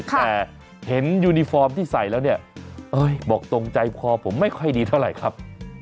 แต่เห็นยูนิฟอร์มที่ใส่แล้วเนี่ยบอกตรงใจคอผมไม่ค่อยดีเท่าไหร่ครับ